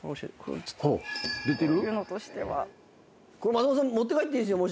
松本さん持って帰っていいですよ